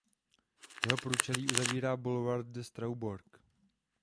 Jeho průčelí uzavírá Boulevard de Strasbourg.